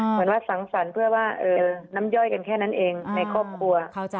เหมือนว่าสังสรรค์เพื่อว่าน้ำย่อยกันแค่นั้นเองในครอบครัว